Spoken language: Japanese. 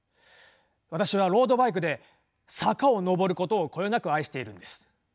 私はロードバイクで坂を上ることをこよなく愛しているんです。